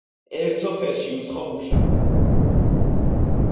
ერთ სოფელში, უცხო მუშა